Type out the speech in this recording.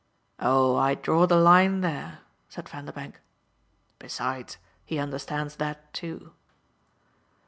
"Oh I draw the line there," said Vanderbank. "Besides, he understands that too."